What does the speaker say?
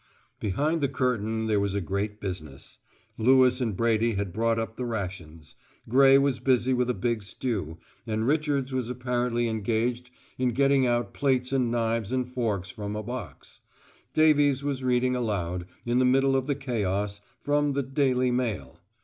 Behind the curtain there was a great business. Lewis and Brady had brought up the rations; Gray was busy with a big stew, and Richards was apparently engaged in getting out plates and knives and forks from a box; Davies was reading aloud, in the middle of the chaos, from the Daily Mail.